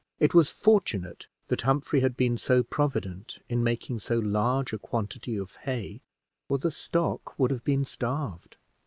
It was fortunate that Humphrey had been so provident in making so large a quantity of hay, or the stock would have been starved.